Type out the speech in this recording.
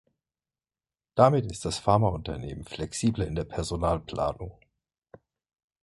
Damit ist das Pharmaunternehmen flexibler in der Personalplanung.